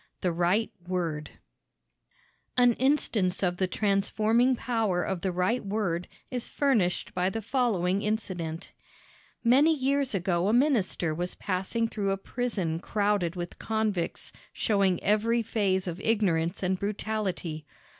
THE RIGHT WORD An instance of the transforming power of the right word is furnished by the following incident: Many years ago a minister was passing through a prison crowded with convicts showing every phase of ignorance and brutality.